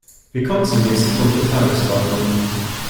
Wir kommen zum nächsten Punkt der Tagesordnung.